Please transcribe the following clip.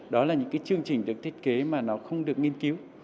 đó là những cái chương trình được thiết kế mà nó không được nghiên cứu